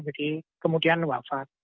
jadi kemudian wafat